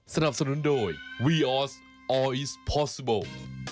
สนับสนุนโดยวีออสออลอิสพอสซิบล